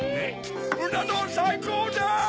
うなどんさいこうです！